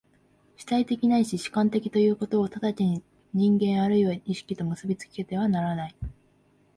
主体的ないし主観的ということを直ちに人間或いは意識と結び付けて考えてはならない。